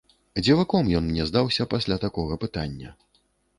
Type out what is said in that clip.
Дзіваком ён мне здаўся пасля такога пытання.